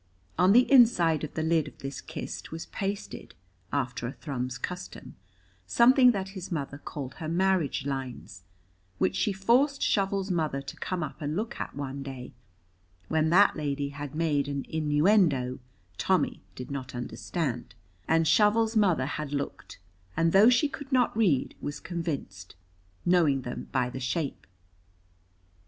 On the inside of the lid of this kist was pasted, after a Thrums custom, something that his mother called her marriage lines, which she forced Shovel's mother to come up and look at one day, when that lady had made an innuendo Tommy did not understand, and Shovel's mother had looked, and though she could not read, was convinced, knowing them by the shape.